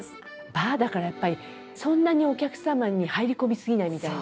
バーだからやっぱりそんなにお客様に入り込み過ぎないみたいな。